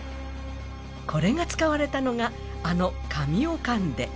これが使われたのが、あのカミオカンデ。